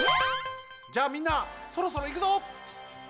じゃあみんなそろそろいくぞ！